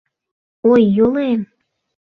— Ой, йоле-эм...